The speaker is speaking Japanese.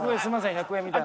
１００円みたいな。